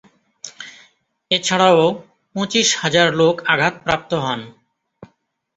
এছাড়াও পঁচিশ হাজার লোক আঘাতপ্রাপ্ত হন।